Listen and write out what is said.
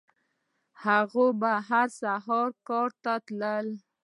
هغه به هر سهار کار ته تلو.